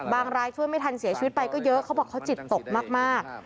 บางคนไม่ทันเสียชีวิตไปเยอะบอกว่าเขาจิตตกมาก